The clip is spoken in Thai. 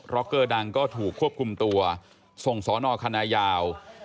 ็อกเกอร์ดังก็ถูกควบคุมตัวส่งสอนอคณะยาว